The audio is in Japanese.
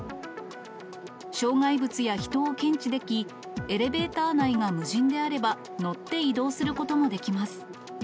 障害物や人を検知でき、エレベーター内が無人であれば、乗って移動することもできます。